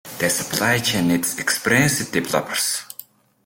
The Supply chain needs experienced developers.